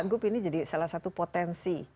karena ini jadi salah satu potensi